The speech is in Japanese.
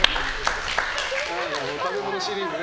食べ物シリーズね。